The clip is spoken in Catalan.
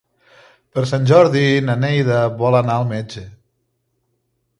Per Sant Jordi na Neida vol anar al metge.